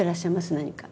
何か。